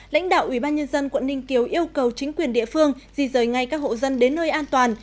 lãnh đạo ubnd quận ninh kiều yêu cầu chính quyền địa phương di rời ngay các hộ dân đến nơi an toàn